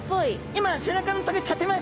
今背中の棘立てました。